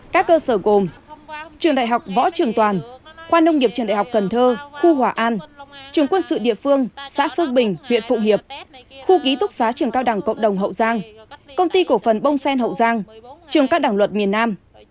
các cơ sở gồm trường đại học võ trường toàn khoa nông nghiệp trường đại học cần thơ khu hòa an trường quân sự địa phương xã phước bình huyện phụng hiệp khu ký túc xá trường cao đẳng cộng đồng hậu giang công ty cổ phần bông sen hậu giang trường cao đẳng luật miền nam